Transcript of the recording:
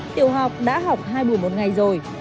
tiểu học đã học hai buổi một ngày rồi